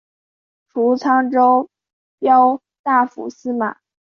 除沧州骠大府司马。